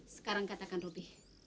sekarang katakan robby